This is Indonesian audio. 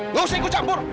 nggak usah ikut campur